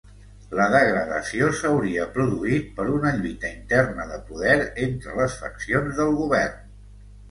La degradació s'hauria produït per una lluita interna de poder entre les faccions del govern.